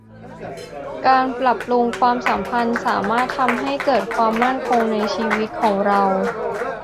การปรับปรุงความสัมพันธ์สามารถทำให้เกิดความมั่นคงในชีวิตของเรา